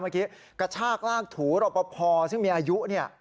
เมื่อกี้กระชากลากถูรปภซึ่งมีอายุเนี่ย